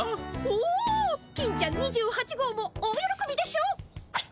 お金ちゃん２８号も大よろこびでしょう。